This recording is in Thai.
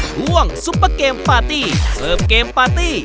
ซุปเปอร์เกมปาร์ตี้เสิร์ฟเกมปาร์ตี้